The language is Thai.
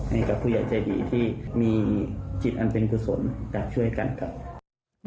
ให้กับผู้อย่าใจดีที่มีจิตอันเป็นผู้สนการช่วยกันกัน